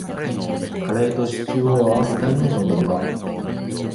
カレーとシチューを合わせたようなものか